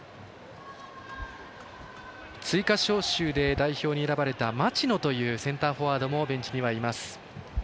追加招集で代表に選ばれた町野というセンターフォワードもベンチにいます。